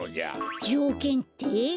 じょうけんって？